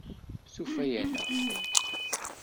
Tufa-aneɣ-d.